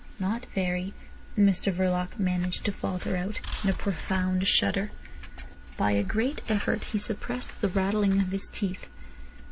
"Not very," Mr Verloc managed to falter out, in a profound shudder. By a great effort he suppressed the rattling of his teeth.